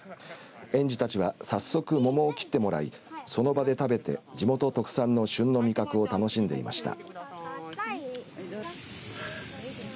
園児たちは早速桃を切ってもらいその場で食べて地元特産の旬の味覚を楽しんでいました。